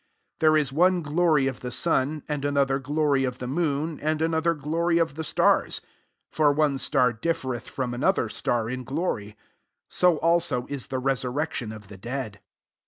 41 There is one glory of the sun, and* another glory of the moon, and another glory of the stars : (for one star differeth from another star in glory :) 42 so abo is the resurrectioD of the dead.